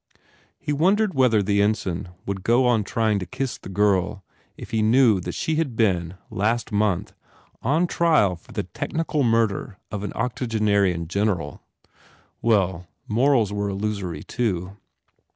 He wondered whether the ensign would go on trying to kiss the girl if he knew that she had been, last month, on trial for the techni cal murder of an octogenerian general. Well, I M ARGOT morals were illusory, too.